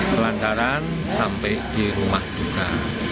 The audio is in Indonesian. kelancaran sampai di rumah duka